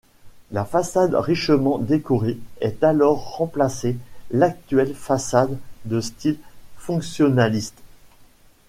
La façade richement décorée est alors remplacée l'actuelle façade de style fonctionnaliste.